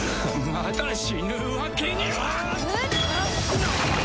まだ死ぬわけには！